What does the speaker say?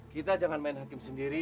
kita jangan main hakim sendiri